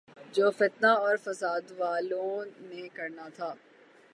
جو فتنہ اورفسادوالوں نے کرنا تھا۔